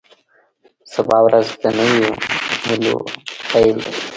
سبا ورځ د نویو هیلو پیل دی.